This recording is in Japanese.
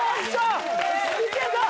いけた！